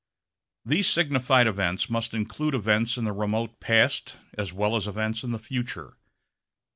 These signified events must include events in the remote past as well as events in the future.